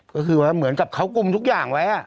ก็คือว่าเหมือนกับเขากุมทุกอย่างไว้